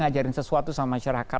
ngajarin sesuatu sama masyarakat